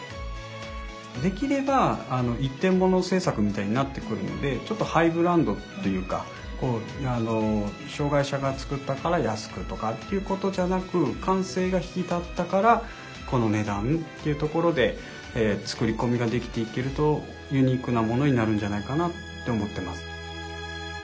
できれば１点もの制作みたいになってくるのでちょっとハイブランドというか障害者が作ったから安くとかっていうことじゃなく感性が引き立ったからこの値段っていうところで作り込みができていけるとユニークなものになるんじゃないかなと思ってます。